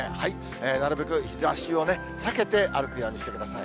なるべく日ざしを避けて歩くようにしてください。